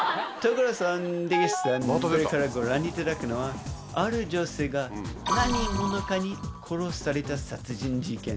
これからご覧いただくのはある女性が何者かに殺された殺人事件です。